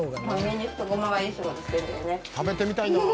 食べてみたいなあ。